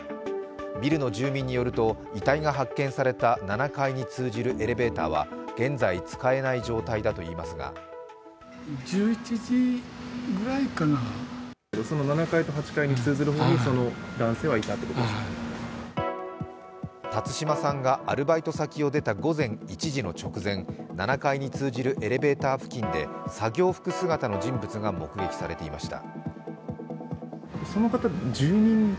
ビルの住民によると遺体が発見された７階に通じるエレベーターは現在、使えない状態だといいますが辰島さんがアルバイト先を出た午前１時の直前、７階に通じるエレベーター付近で作業服姿の人物が目撃されていました。